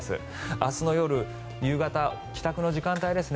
明日の夜、夕方帰宅の時間帯ですね